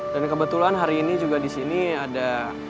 dan kebetulan hari ini juga di sini ada